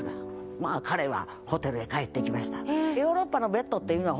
まあ彼はホテルへ帰っていきました。